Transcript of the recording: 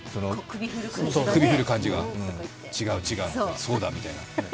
首振る感じが、違う違う、そうだって。